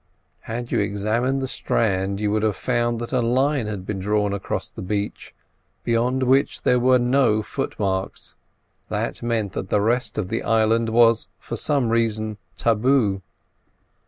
Had you examined the strand you would have found that a line had been drawn across the beach, beyond which there were no footmarks: that meant that the rest of the island was for some reason tabu.